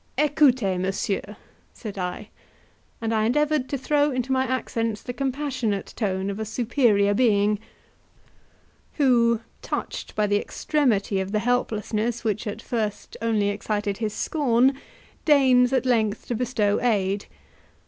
"Ecoutez, messieurs!" said I, and I endeavoured to throw into my accents the compassionate tone of a superior being, who, touched by the extremity of the helplessness, which at first only excited his scorn, deigns at length to bestow aid.